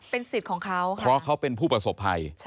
เป็นสิทธิ์ของเขาเพราะเขาเป็นผู้ประสบภัย